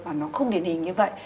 mà nó không điển hình như vậy